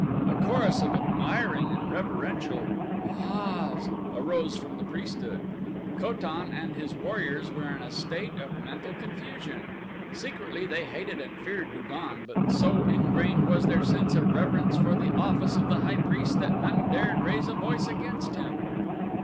A chorus of admiring and reverential "Ahs" arose from the priesthood. Ko tan and his warriors were in a state of mental confusion. Secretly they hated and feared Lu don, but so ingrained was their sense of reverence for the office of the high priest that none dared raise a voice against him.